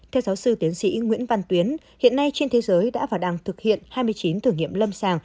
theo giáo sư tiến sĩ nguyễn văn tuyến hiện nay trên thế giới đã và đang thực hiện hai mươi chín thử nghiệm lâm sàng